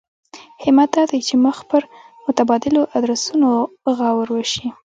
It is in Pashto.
همت دا دی چې مخ پر متبادلو ادرسونو غور وشي.